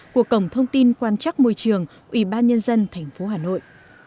của cổng thông tin quan trắc môi trường ủy ban nhân dân tp hà nội